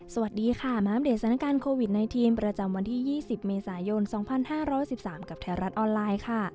สวัสดีค่ะมาอัปเดตสถานการณ์โควิด๑๙ประจำวันที่๒๐เมษายน๒๕๖๓กับไทยรัฐออนไลน์ค่ะ